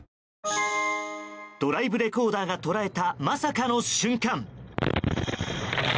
ドライブレコーダーが捉えたまさかの瞬間。